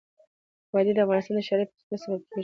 وادي د افغانستان د ښاري پراختیا سبب کېږي.